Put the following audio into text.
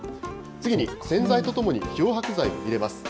次に洗剤とともに漂白剤を入れます。